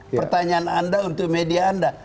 pertanyaan anda untuk media anda